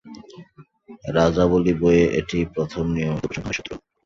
রাজাবলি বইয়ে এটিই প্রথম নিয়মিত উপসংহারের সূত্র।